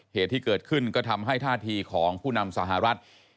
เหตุที่เกิดขึ้นก็ทำให้ท่าทีของผู้นำสหรัฐ